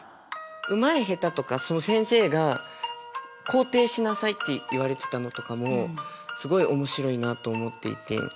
うまい下手とか先生が肯定しなさいって言われてたのとかもすごい面白いなと思っていて。